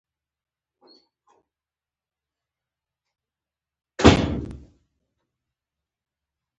د ویښتو د وچوالي لپاره کوم تېل وکاروم؟